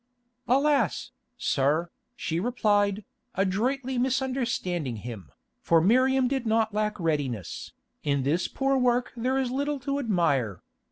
"Alas, sir," she replied, adroitly misunderstanding him, for Miriam did not lack readiness, "in this poor work there is little to admire.